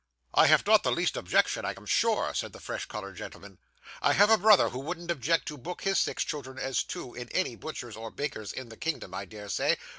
'I have not the least objection I am sure,' said the fresh coloured gentleman; 'I have a brother who wouldn't object to book his six children as two at any butcher's or baker's in the kingdom, I dare say.